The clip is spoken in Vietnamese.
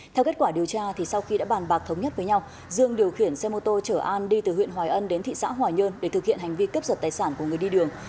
theo kết quả điều tra sau khi đã bàn bạc thống nhất với nhau dương điều khiển xe mô tô chở an đi từ huyện hòa ân đến thị xã hòa nhơn để thực hiện hành vi cướp giật tài sản của người đi đường